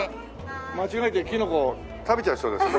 間違えてキノコ食べちゃいそうですね。